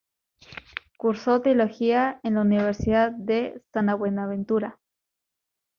Cursó teología en la universidad de San Buenaventura.